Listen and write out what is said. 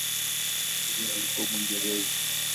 Yeye alikuwa Mwingereza.